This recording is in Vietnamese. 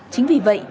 chính vì vậy